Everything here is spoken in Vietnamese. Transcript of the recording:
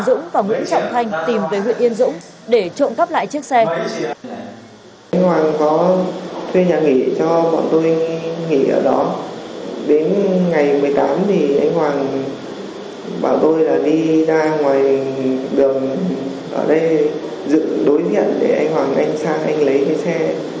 để anh hoàng anh sang anh lấy cái xe phát đi một lọ đi về